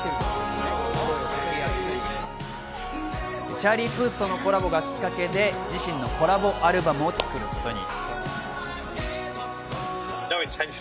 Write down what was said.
チャーリー・プースとのコラボがきっかけで自身のコラボアルバムを作ることに。